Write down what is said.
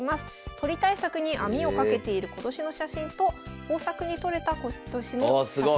鳥対策に網を掛けている今年の写真と豊作に採れた今年の写真でございますと。